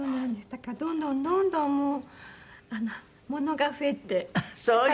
だからどんどんどんどんもうものが増えて仕方がないです。